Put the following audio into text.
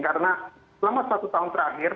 karena selama satu tahun terakhir